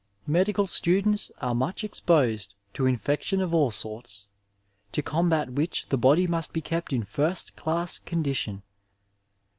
Me dical students are much exposed to infection of all sorts, to combat which tiie body must be kept in fint dass condi tion.